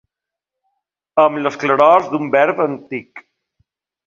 Amb les clarors d'un verb antic.